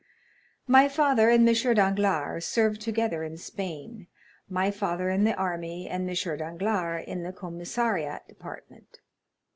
My father and M. Danglars served together in Spain, my father in the army and M. Danglars in the commissariat department.